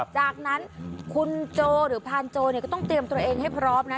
จากนั้นคุณโจหรือพรานโจก็ต้องเตรียมตัวเองให้พร้อมนะ